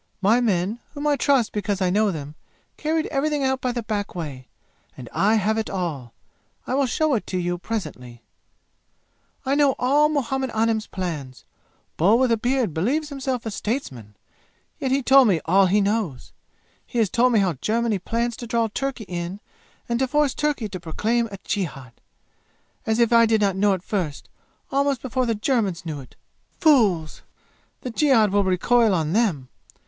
My men, whom I trust because I know them, carried everything out by the back way, and I have it all. I will show it to you presently. "I know all Muhammad Anim's plans. Bull with a beard believes himself a statesman, yet he told me all he knows! He has told me how Germany plans to draw Turkey in and to force Turkey to proclaim a jihad. As if I did not know it first, almost before the Germans knew it! Fools! The jihad will recoil on them!